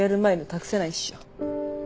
託せないっしょ。